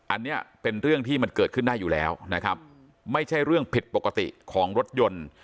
อันนี้เป็นเรื่องที่มันเกิดขึ้นได้อยู่แล้วนะครับไม่ใช่เรื่องผิดปกติของรถยนต์